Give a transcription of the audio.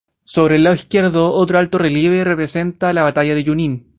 Sobre el lado izquierdo otro alto relieve representa la Batalla de Junín.